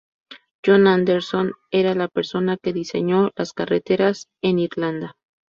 John Anderson era la persona que diseñó las carreteras en Irlanda.